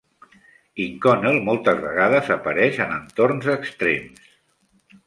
Inconel moltes vegades apareix en entorns extrems.